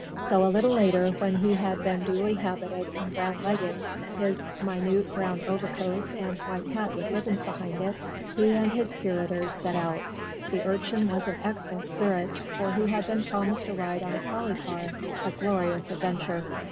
So a little later when he had been duly habited in brown leggings, his minute brown overcoat, and white hat with ribbons behind it, he and his curators set out. The Urchin was in excellent spirits, for he had been promised a ride on a trolley car a glorious adventure.